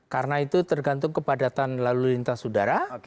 karena itu tergantung kepadatan lalu lintas udara